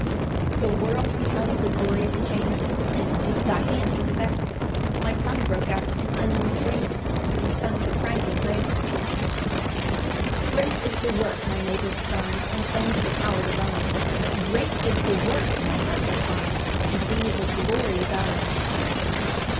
2 The world beheld the glorious change, And did thy hand confess; My tongue broke out in unknown strains, And sung surprising grace: 3 "Great is the work," my neighbours cry'd, And own'd the power divine; "Great is the work," my heart reply'd, "And be the glory thine."